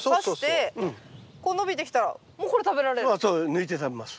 抜いて食べます。